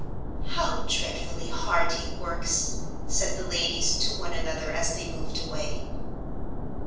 "How dreadfully hard he works," said the ladies to one another as they moved away.